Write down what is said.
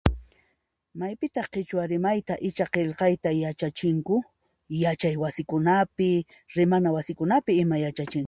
Maypitaq qhichwa rimayta, icha qhilqayta yachachinku? Yachay wasikunapi, rimana wasikunapi ima yachachinku.